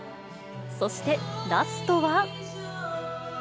そしてラストは。